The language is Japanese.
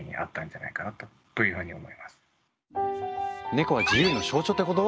ネコは「自由の象徴」ってこと？